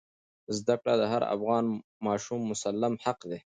زده کړه د هر افغان ماشوم مسلم حق دی.